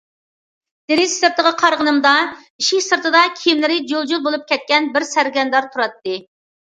دېرىزە سىرتىغا قارىغىنىمدا ئىشىك سىرتىدا كىيىملىرى جۇل- جۇل بولۇپ كەتكەن بىر سەرگەردان تۇراتتى.